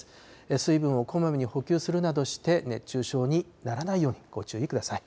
水分をこまめに補給するなどして、熱中症にならないようにご注意ください。